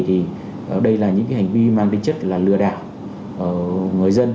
thì đây là những cái hành vi mang tính chất là lừa đảo người dân